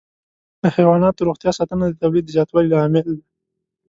د حيواناتو روغتیا ساتنه د تولید د زیاتوالي عامل ده.